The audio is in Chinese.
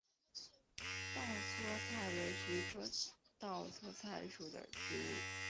稻槎菜为菊科稻搓菜属的植物。